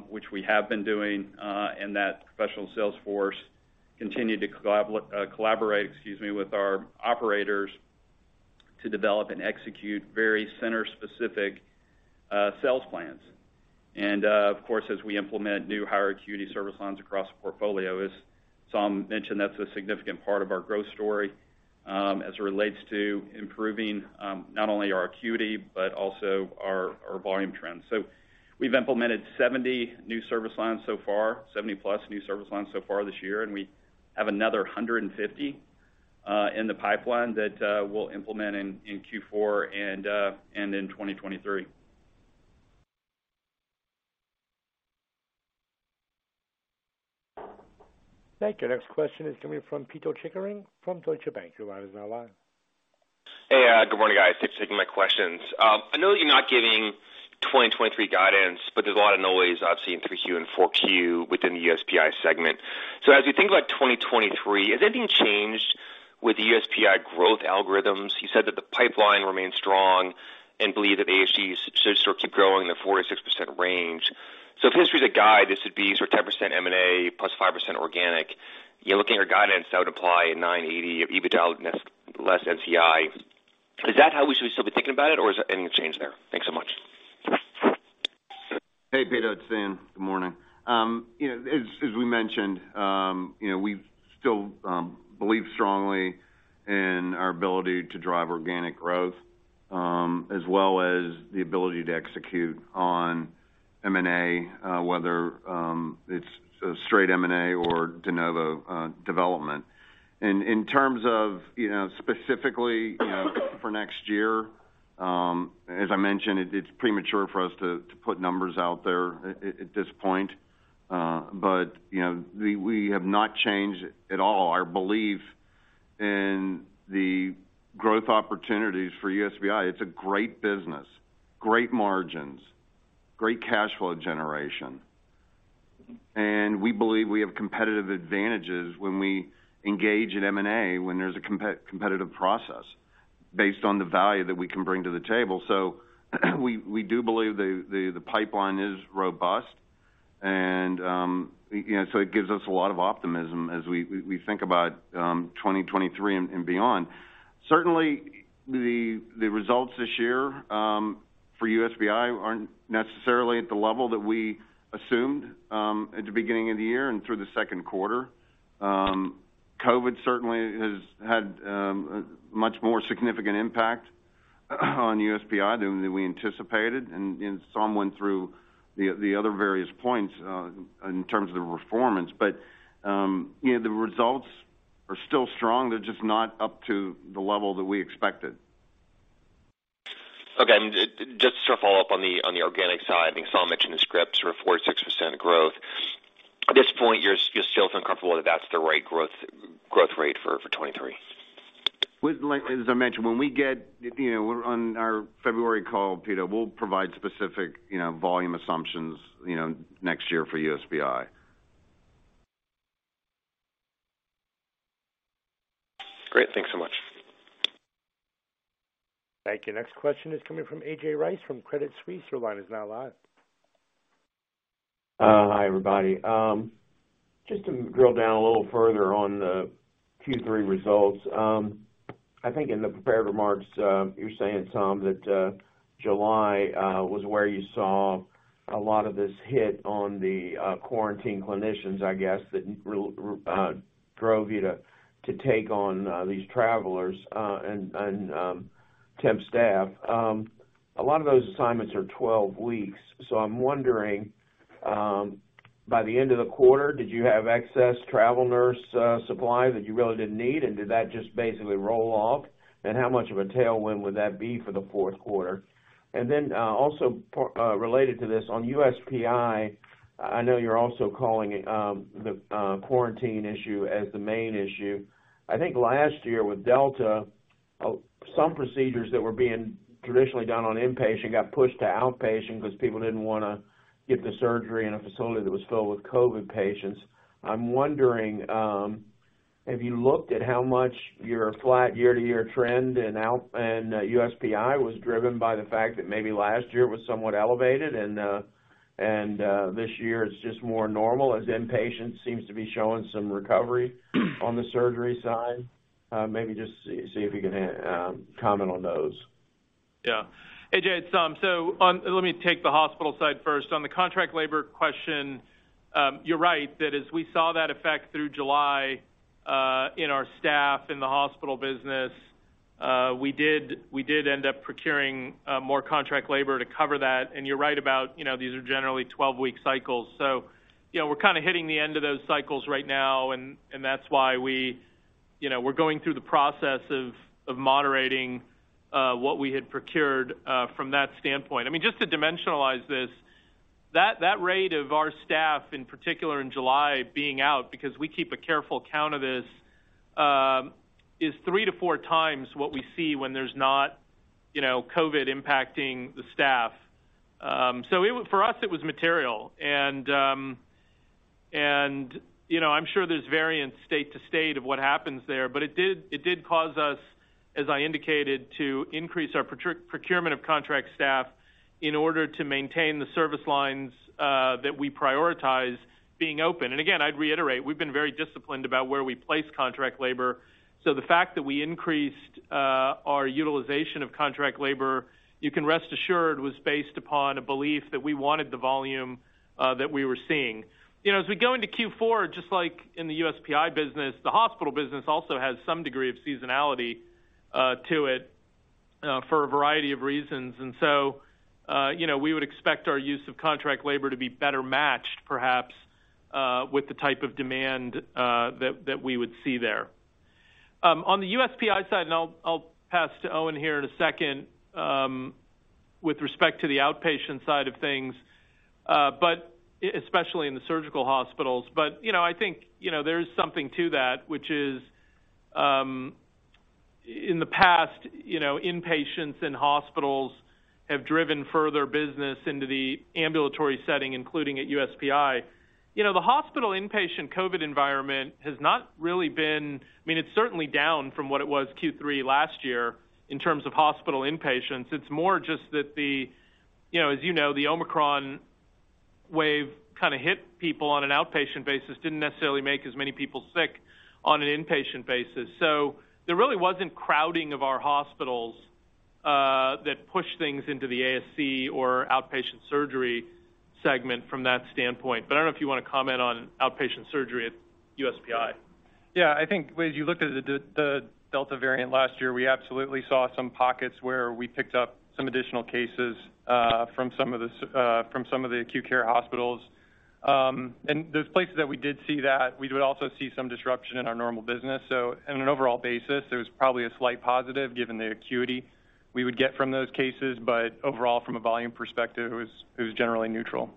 which we have been doing, and that professional sales force continue to collaborate, excuse me, with our operators to develop and execute very center-specific sales plans. Of course, as we implement new higher acuity service lines across the portfolio. As Saum mentioned, that's a significant part of our growth story. As it relates to improving not only our acuity but also our volume trends. We've implemented 70 new service lines so far, 70+ new service lines so far this year, and we have another 150 in the pipeline that we'll implement in Q4 and in 2023. Thank you. Next question is coming from Pito Chickering from Deutsche Bank. Your line is now live. Hey, good morning, guys. Thanks for taking my questions. I know that you're not giving 2023 guidance, but there's a lot of noise I've seen 3Q and 4Q within the USPI segment. As we think about 2023, has anything changed with the USPI growth algorithms? You said that the pipeline remains strong and believe that AHG should sort of keep growing in the 4%-6% range. If history is a guide, this would be sort of 10% M&A plus 5% organic. You're looking at your guidance that would apply in $980 of EBITDA less NCI. Is that how we should still be thinking about it or is there any change there? Thanks so much. Hey, Pito. It's Dan. Good morning. You know, as we mentioned, you know, we still believe strongly in our ability to drive organic growth, as well as the ability to execute on M&A, whether it's a straight M&A or de novo development. In terms of, you know, specifically, you know, for next year, as I mentioned, it's premature for us to put numbers out there at this point. But, you know, we have not changed at all our belief in the growth opportunities for USPI. It's a great business, great margins, great cash flow generation. We believe we have competitive advantages when we engage in M&A when there's a competitive process based on the value that we can bring to the table. We do believe the pipeline is robust and it gives us a lot of optimism as we think about 2023 and beyond. Certainly, the results this year for USPI aren't necessarily at the level that we assumed at the beginning of the year and through the second quarter. COVID certainly has had a much more significant impact on USPI than we anticipated. Saum went through the other various points in terms of the performance. The results are still strong. They're just not up to the level that we expected. Okay. Just to follow up on the organic side, I think Saum mentioned the scripts were 4%-6% growth. At this point, you're still feeling comfortable that that's the right growth rate for 2023? Like, as I mentioned, when we get you know, on our February call, Pito, we'll provide specific, you know, volume assumptions, you know, next year for USPI. Great. Thanks so much. Thank you. Next question is coming from A.J. Rice from Credit Suisse. Your line is now live. Hi, everybody. Just to drill down a little further on the Q3 results. I think in the prepared remarks, you were saying, Saum, that July was where you saw a lot of this hit on the quarantine clinicians, I guess, that drove you to take on these travelers and temp staff. A lot of those assignments are 12 weeks. I'm wondering, by the end of the quarter, did you have excess travel nurse supply that you really didn't need? And did that just basically roll off? And how much of a tailwind would that be for the fourth quarter? And then, also related to this, on USPI, I know you're also calling the quarantine issue as the main issue. I think last year with Delta, some procedures that were being traditionally done on inpatient got pushed to outpatient because people didn't wanna get the surgery in a facility that was filled with COVID patients. I'm wondering, have you looked at how much your flat year-to-year trend in USPI was driven by the fact that maybe last year it was somewhat elevated and this year it's just more normal as inpatient seems to be showing some recovery on the surgery side? Maybe just see if you can comment on those. Yeah. A.J., it's Saum. Let me take the hospital side first. On the contract labor question, you're right that as we saw that effect through July, in our staff in the hospital business, we did end up procuring more contract labor to cover that. You're right about, you know, these are generally 12-week cycles. You know, we're kinda hitting the end of those cycles right now, and that's why we, you know, we're going through the process of moderating what we had procured from that standpoint. I mean, just to dimensionalize this, that rate of our staff, in particular in July, being out, because we keep a careful count of this, is 3-4x what we see when there's not, you know, COVID impacting the staff. It was material for us. You know, I'm sure there's variance state to state of what happens there, but it did cause us, as I indicated, to increase our procurement of contract staff in order to maintain the service lines that we prioritize being open. Again, I'd reiterate, we've been very disciplined about where we place contract labor. The fact that we increased our utilization of contract labor, you can rest assured, was based upon a belief that we wanted the volume that we were seeing. You know, as we go into Q4, just like in the USPI business, the hospital business also has some degree of seasonality to it for a variety of reasons. You know, we would expect our use of contract labor to be better matched perhaps with the type of demand that we would see there. On the USPI side, and I'll pass to Owen here in a second, with respect to the outpatient side of things, especially in the surgical hospitals. You know, I think, you know, there is something to that, which is, in the past, you know, inpatients and hospitals have driven further business into the ambulatory setting, including at USPI. You know, the hospital inpatient COVID environment has not really been. I mean, it's certainly down from what it was Q3 last year in terms of hospital inpatients. It's more just that the, you know, as you know, the Omicron wave kinda hit people on an outpatient basis, didn't necessarily make as many people sick on an inpatient basis. There really wasn't crowding of our hospitals that pushed things into the ASC or outpatient surgery segment from that standpoint. I don't know if you wanna comment on outpatient surgery at USPI. Yeah. I think when you looked at the Delta variant last year, we absolutely saw some pockets where we picked up some additional cases from some of the acute care hospitals. Those places that we did see that, we would also see some disruption in our normal business. On an overall basis, there was probably a slight positive given the acuity we would get from those cases, but overall, from a volume perspective, it was generally neutral.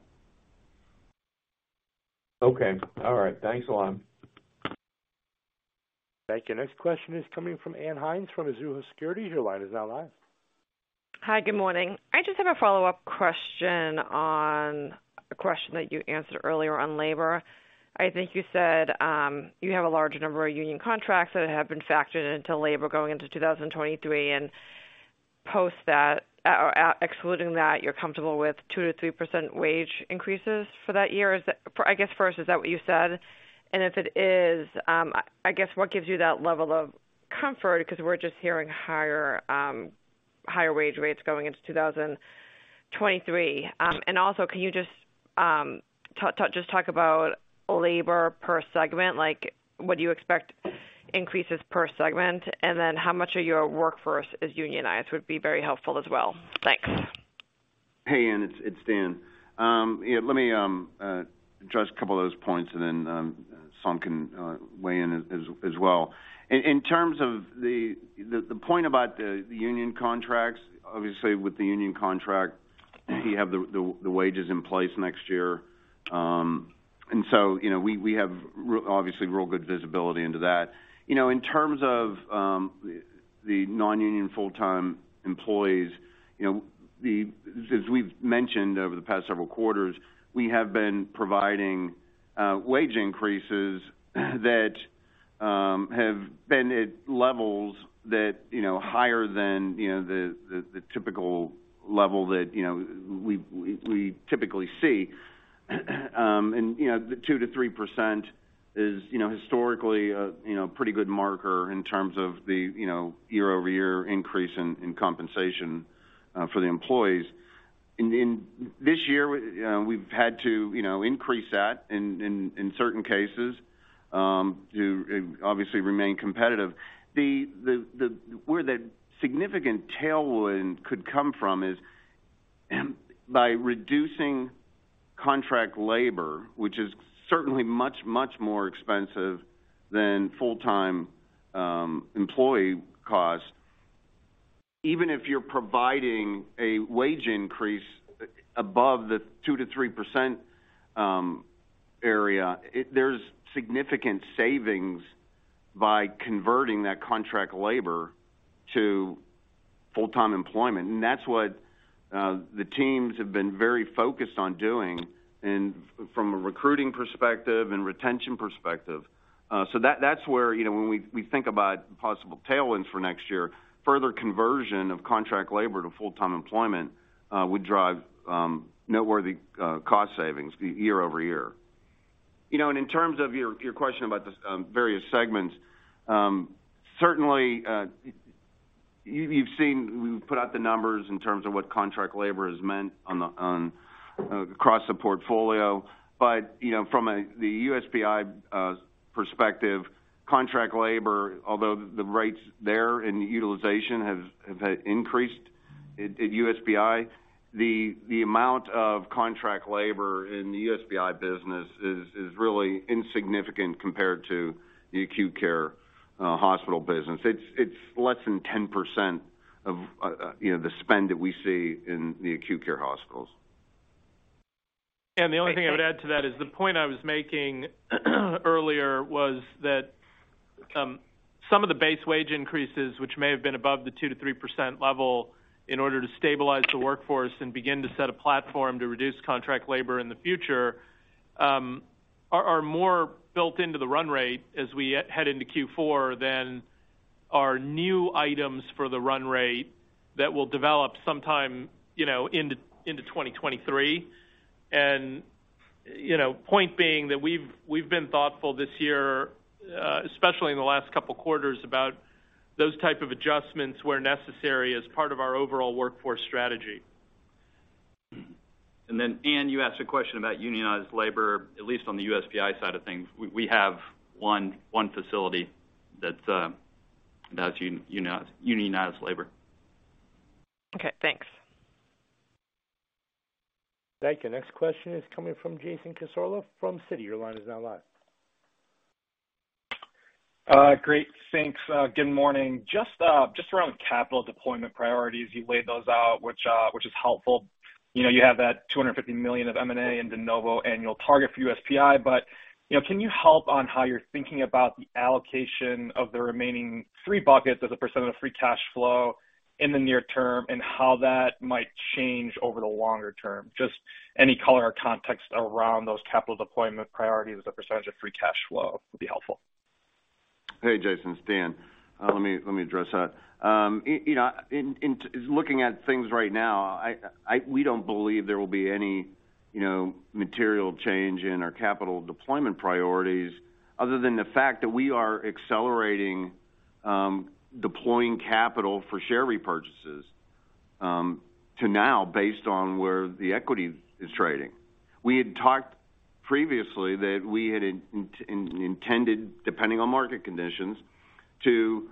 Okay. All right. Thanks a lot. Thank you. Next question is coming from Ann Hynes from Mizuho Securities. Your line is now live. Hi, good morning. I just have a follow-up question on a question that you answered earlier on labor. I think you said you have a large number of union contracts that have been factored into labor going into 2023, and post that, excluding that, you're comfortable with 2%-3% wage increases for that year. I guess first, is that what you said? If it is, I guess what gives you that level of comfort because we're just hearing higher wage rates going into 2023. Also can you just talk about labor per segment, like what do you expect increases per segment? Then how much of your workforce is unionized would be very helpful as well. Thanks. Hey, Ann. It's Dan. Let me address a couple of those points and then Saum can weigh in as well. In terms of the point about the union contracts, obviously with the union contract, you have the wages in place next year. You know, we have obviously real good visibility into that. You know, in terms of the non-union full-time employees, you know the. As we've mentioned over the past several quarters, we have been providing wage increases that have been at levels that you know higher than you know the typical level that you know we typically see. You know, the 2%-3% is, you know, historically, you know, pretty good marker in terms of the, you know, year-over-year increase in compensation for the employees. In this year, we've had to, you know, increase that in certain cases to obviously remain competitive. Where the significant tailwind could come from is by reducing contract labor, which is certainly much more expensive than full-time employee costs. Even if you're providing a wage increase above the 2%-3% area, there's significant savings by converting that contract labor to full-time employment. That's what the teams have been very focused on doing and from a recruiting perspective and retention perspective. That's where, you know, when we think about possible tailwinds for next year, further conversion of contract labor to full-time employment would drive noteworthy cost savings year-over-year. You know, in terms of your question about the various segments, certainly, you've seen, we've put out the numbers in terms of what contract labor has meant across the portfolio. You know, from the USPI perspective, contract labor, although the rates there and utilization have increased at USPI, the amount of contract labor in the USPI business is really insignificant compared to the acute care hospital business. It's less than 10% of, you know, the spend that we see in the acute care hospitals. The only thing I would add to that is the point I was making earlier was that some of the base wage increases, which may have been above the 2%-3% level in order to stabilize the workforce and begin to set a platform to reduce contract labor in the future, are more built into the run rate as we head into Q4 than our new items for the run rate that will develop sometime, you know, into 2023. You know, point being that we've been thoughtful this year, especially in the last couple of quarters, about those type of adjustments where necessary as part of our overall workforce strategy. Mm-hmm. Ann, you asked a question about unionized labor, at least on the USPI side of things. We have one facility that's unionized labor. Okay, thanks. Thank you. Next question is coming from Jason Cassorla from Citi. Your line is now live. Great. Thanks. Good morning. Just around capital deployment priorities, you've laid those out, which is helpful. You know, you have that $250 million of M&A and de novo annual target for USPI. You know, can you help on how you're thinking about the allocation of the remaining three buckets as a % of the free cash flow in the near term, and how that might change over the longer term? Just any color or context around those capital deployment priorities as a percent of free cash flow would be helpful. Hey, Jason, it's Dan. Let me address that. You know, in looking at things right now, we don't believe there will be any, you know, material change in our capital deployment priorities other than the fact that we are accelerating deploying capital for share repurchases to now based on where the equity is trading. We had talked previously that we had intended, depending on market conditions, to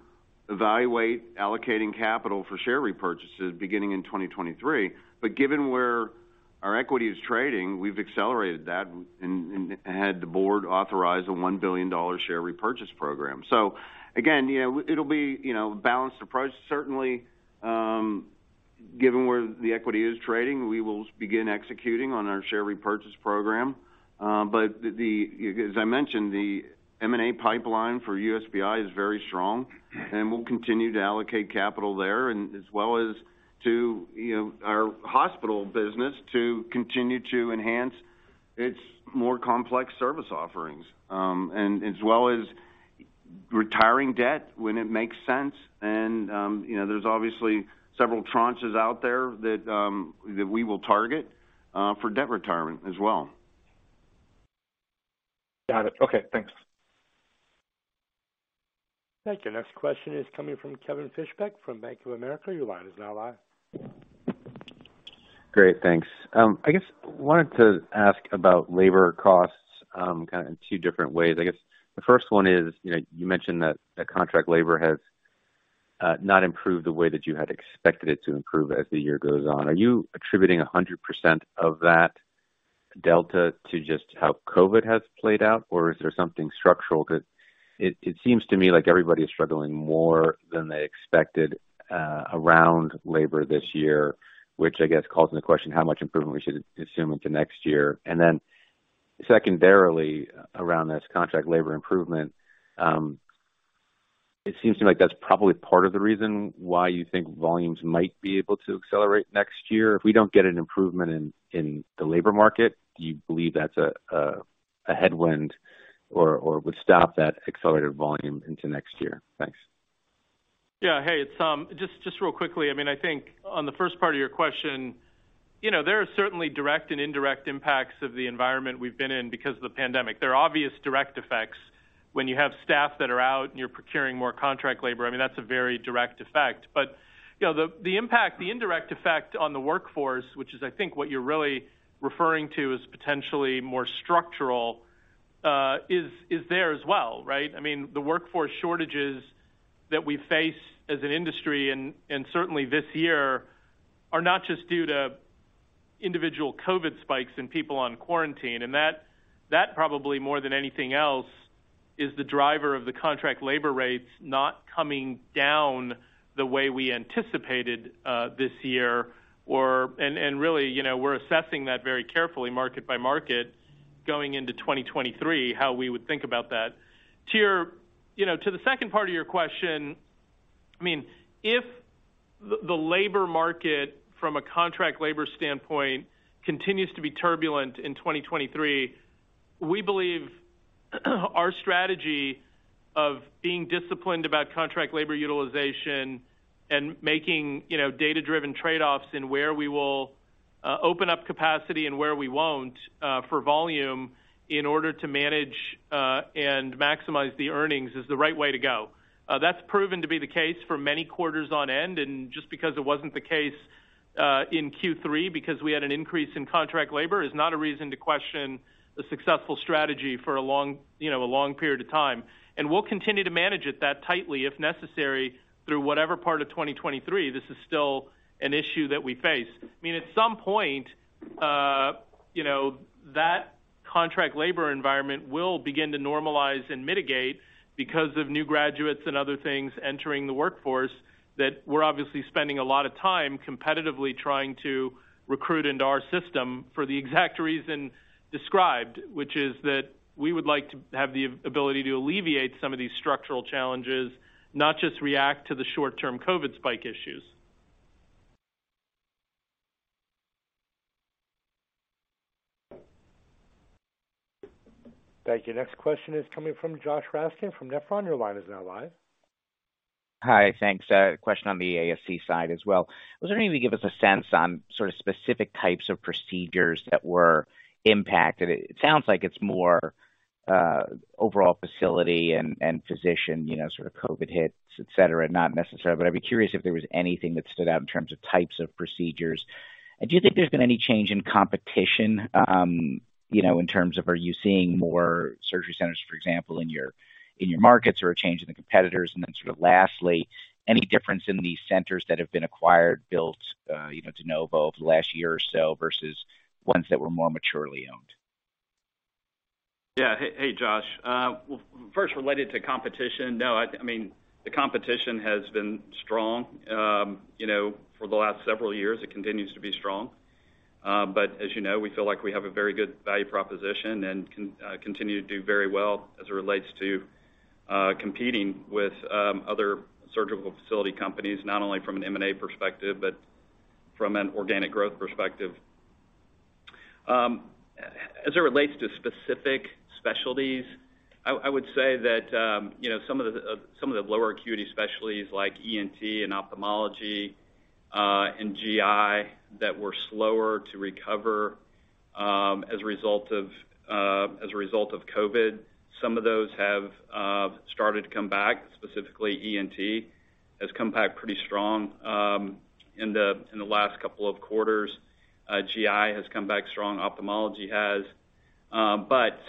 evaluate allocating capital for share repurchases beginning in 2023. Given where our equity is trading, we've accelerated that and had the board authorize a $1 billion share repurchase program. Again, you know, it'll be a balanced approach. Certainly, given where the equity is trading, we will begin executing on our share repurchase program. As I mentioned, the M&A pipeline for USPI is very strong, and we'll continue to allocate capital there and as well as to, you know, our hospital business to continue to enhance its more complex service offerings, and as well as retiring debt when it makes sense. You know, there's obviously several tranches out there that we will target for debt retirement as well. Got it. Okay, thanks. Thank you. Next question is coming from Kevin Fischbeck from Bank of America. Your line is now live. Great, thanks. I guess I wanted to ask about labor costs, kinda in two different ways. I guess the first one is, you know, you mentioned that the contract labor has not improved the way that you had expected it to improve as the year goes on. Are you attributing 100% of that delta to just how COVID has played out, or is there something structural? 'Cause it seems to me like everybody is struggling more than they expected, around labor this year, which I guess calls into question how much improvement we should assume into next year. Secondarily, around this contract labor improvement, it seems to me like that's probably part of the reason why you think volumes might be able to accelerate next year. If we don't get an improvement in the labor market, do you believe that's a headwind or would stop that accelerated volume into next year? Thanks. Yeah. Hey, it's Saum just real quickly. I mean, I think on the first part of your question, you know, there are certainly direct and indirect impacts of the environment we've been in because of the pandemic. There are obvious direct effects when you have staff that are out and you're procuring more contract labor. I mean, that's a very direct effect. You know, the impact, the indirect effect on the workforce, which is I think what you're really referring to as potentially more structural, is there as well, right? I mean, the workforce shortages that we face as an industry and certainly this year are not just due to individual COVID spikes and people on quarantine. That probably more than anything else is the driver of the contract labor rates not coming down the way we anticipated this year or. Really, you know, we're assessing that very carefully market by market going into 2023, how we would think about that. To your, you know, to the second part of your question, I mean, if the labor market from a contract labor standpoint continues to be turbulent in 2023, we believe our strategy of being disciplined about contract labor utilization and making, you know, data-driven trade-offs in where we will open up capacity and where we won't for volume in order to manage and maximize the earnings is the right way to go. That's proven to be the case for many quarters on end. Just because it wasn't the case in Q3 because we had an increase in contract labor is not a reason to question the successful strategy for a long, you know, a long period of time. We'll continue to manage it that tightly, if necessary, through whatever part of 2023 this is still an issue that we face. I mean, at some point, you know, that contract labor environment will begin to normalize and mitigate because of new graduates and other things entering the workforce that we're obviously spending a lot of time competitively trying to recruit into our system for the exact reason described, which is that we would like to have the ability to alleviate some of these structural challenges, not just react to the short term COVID spike issues. Thank you. Next question is coming from Josh Raskin from Nephron. Your line is now live. Hi. Thanks. A question on the ASC side as well. I was wondering if you could give us a sense on sort of specific types of procedures that were impacted. It sounds like it's more overall facility and physician, you know, sort of COVID hits, et cetera, not necessarily, but I'd be curious if there was anything that stood out in terms of types of procedures. Do you think there's been any change in competition, you know, in terms of are you seeing more surgery centers, for example, in your markets or a change in the competitors? Sort of lastly, any difference in the centers that have been acquired, built, you know, de novo over the last year or so versus ones that were more maturely owned? Yeah. Hey, Josh. Well, first related to competition. No, I mean, the competition has been strong, you know, for the last several years. It continues to be strong. As you know, we feel like we have a very good value proposition and continue to do very well as it relates to competing with other surgical facility companies, not only from an M&A perspective, but from an organic growth perspective. As it relates to specific specialties, I would say that, you know, some of the lower acuity specialties like ENT and ophthalmology and GI that were slower to recover as a result of COVID, some of those have started to come back. Specifically, ENT has come back pretty strong in the last couple of quarters. GI has come back strong, ophthalmology has.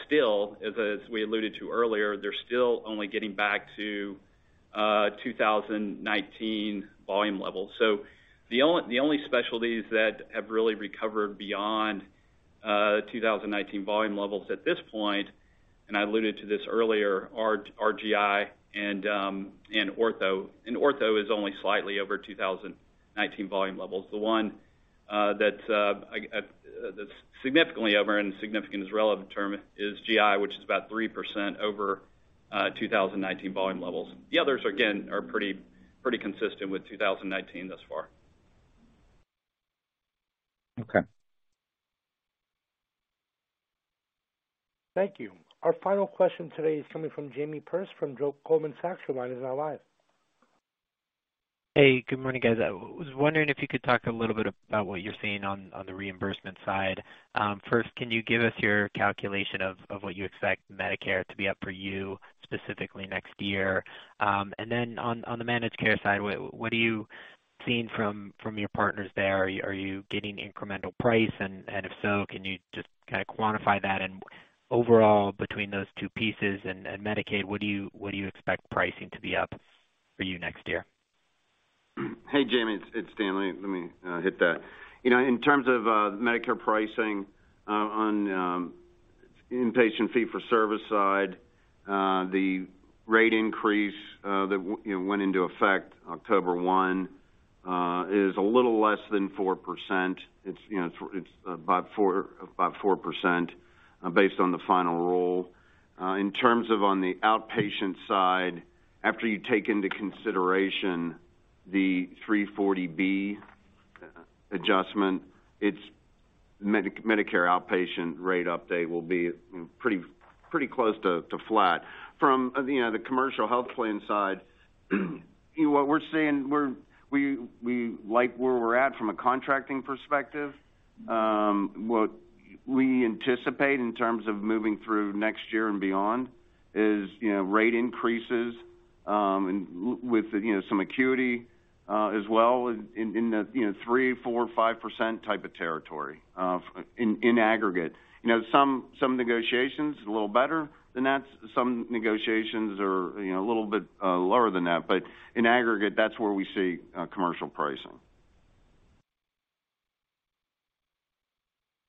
Still, as we alluded to earlier, they're still only getting back to 2019 volume levels. The only specialties that have really recovered beyond 2019 volume levels at this point, and I alluded to this earlier, are our GI and ortho. Ortho is only slightly over 2019 volume levels. The one that's significantly over, and significant is a relevant term, is GI, which is about 3% over 2019 volume levels. The others, again, are pretty consistent with 2019 thus far. Okay. Thank you. Our final question today is coming from Jamie Perse from Goldman Sachs. Your line is now live. Hey, good morning, guys. I was wondering if you could talk a little bit about what you're seeing on the reimbursement side. First, can you give us your calculation of what you expect Medicare to be up for you specifically next year? Then on the managed care side, what are you seeing from your partners there? Are you getting incremental price? If so, can you just kinda quantify that? Overall, between those two pieces and Medicaid, what do you expect pricing to be up for you next year? Hey, Jamie, it's Dan. Let me hit that. You know, in terms of Medicare pricing on inpatient fee-for-service side, the rate increase that went into effect October one is a little less than 4%. It's you know about 4% based on the final rule. In terms of on the outpatient side, after you take into consideration the 340B adjustment, its Medicare outpatient rate update will be you know pretty close to flat. From you know the commercial health plan side, you know what we're seeing, we like where we're at from a contracting perspective. What we anticipate in terms of moving through next year and beyond is, you know, rate increases, with, you know, some acuity, as well in the 3%-5% type of territory, in aggregate. You know, some negotiations a little better than that. Some negotiations are, you know, a little bit lower than that. In aggregate, that's where we see commercial pricing.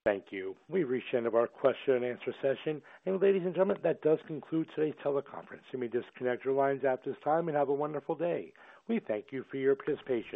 Thank you. We've reached the end of our question and answer session. Ladies and gentlemen, that does conclude today's teleconference. You may disconnect your lines at this time and have a wonderful day. We thank you for your participation.